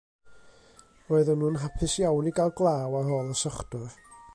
Roedden nhw'n hapus iawn i gael glaw ar ôl y sychdwr.